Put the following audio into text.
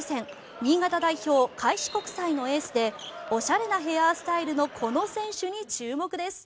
新潟代表、開志国際のエースでおしゃれなヘアスタイルのこの選手に注目です。